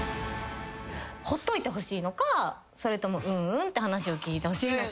ほっといてほしいのかそれともうんうんって話を聞いてほしいのか。